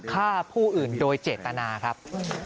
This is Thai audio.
ฆ่าผู้อื่นโดยเจตนาครับ